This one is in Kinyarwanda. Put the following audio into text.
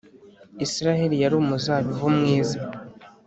Israheli yari umuzabibu mwiza